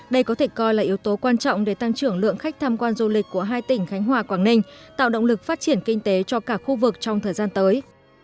đây có thể coi là yếu tố quan trọng để tăng trưởng lượng khách tham quan du lịch của hai tỉnh khánh hòa quảng ninh tạo động lực phát triển kinh tế cho cả khu vực trong thời gian tới